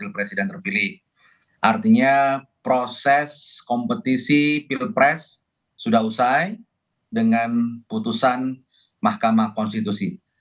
proses kompetisi pilpres sudah usai dengan putusan mahkamah konstitusi